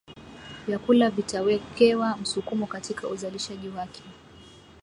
Vyakula vitawekewa msukumo katika uzalishaji wake